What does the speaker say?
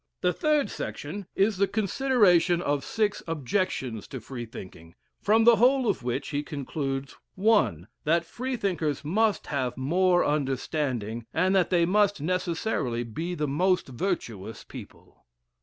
The third section is the consideration of six objections to Freethinking from the whole of which he concludes (1) That Freethinkers must have more understanding, and that they must necessarily be the most virtuous people.